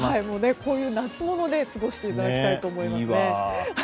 こういう夏物で過ごしていただきたいと思います。